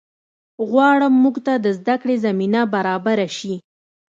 غواړم مونږ ته د زده کړې زمینه برابره شي